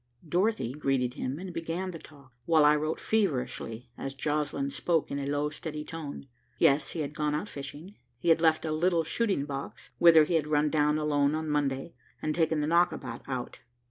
Dorothy greeted him and began the talk, while I wrote feverishly as Joslinn spoke in a low steady tone. Yes, he had gone out fishing. He had left a little shooting box, whither he had run down alone on Monday, and taken the knockabout out.